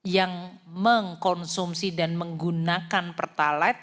yang mengkonsumsi dan menggunakan pertalite